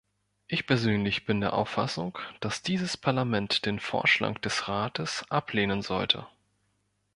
Ich persönlich bin der Auffassung, dass dieses Parlament den Vorschlag des Rates ablehnen sollte.